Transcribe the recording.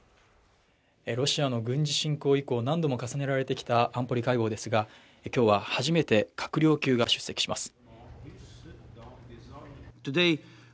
ロシアの軍事侵攻以降何度も重ねられてきた安保理会合ですが今日は初めて閣僚級が出席します